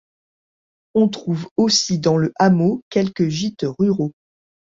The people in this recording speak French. On trouve aussi dans le hameau quelques gîtes ruraux.